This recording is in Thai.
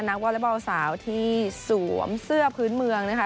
วอเล็กบอลสาวที่สวมเสื้อพื้นเมืองนะคะ